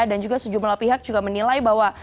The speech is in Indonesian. dan juga sejumlah pihak juga menilai bahwa